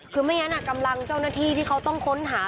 คือไม่งั้นกำลังเจ้าหน้าที่ที่เขาต้องค้นหา